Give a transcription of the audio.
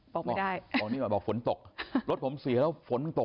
บอกไม่ได้บอกฝนตกรถผมเสียแล้วฝนตก